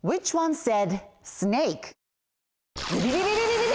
ズビビビビビビビ！